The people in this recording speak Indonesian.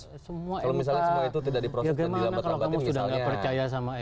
kalau semua itu tidak diproseskan tidak bertanggung jawab bagaimana kalau kamu sudah tidak percaya sama mk